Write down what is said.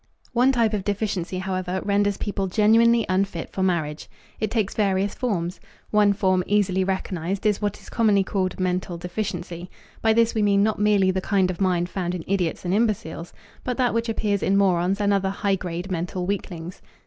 One type of deficiency, however, renders people genuinely unfit for marriage. It takes various forms. One form, easily recognized, is what is commonly called "mental deficiency." By this we mean not merely the kind of mind found in idiots and imbeciles, but that which appears in morons and other "high grade" mental weaklings.